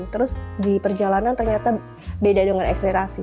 terus di perjalanan ternyata beda dengan ekspirasi